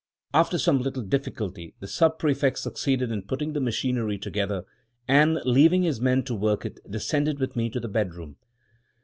After some little difficulty the Sub prefect succeeded in putting the machinery together, and, leaving his men to work it, descended with me to the bedroom.